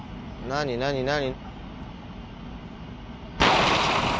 何何何？